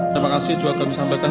terima kasih juga kami sampaikan